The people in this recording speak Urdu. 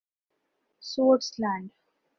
سوئٹزر لینڈ